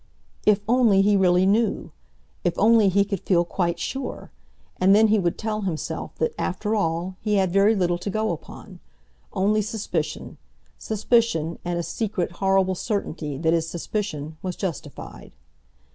If only he really knew! If only he could feel quite sure! And then he would tell himself that, after all, he had very little to go upon; only suspicion—suspicion, and a secret, horrible certainty that his suspicion was justified.